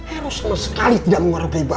eros sama sekali tidak mengorbankan bapak